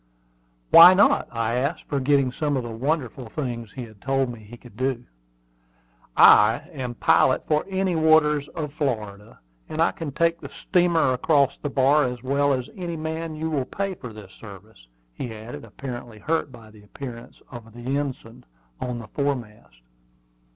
"Why not?" I asked, forgetting some of the wonderful things he had told me he could do. "I am a pilot for any waters of Florida, and I can take the steamer across the bar as well as any man you will pay for this service," he added, apparently hurt by the appearance of the ensign on the foremast.